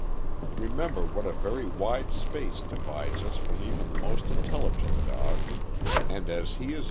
Eemember what a very wide space divides us from even the most intelligent dog, and as he is THE POODLE.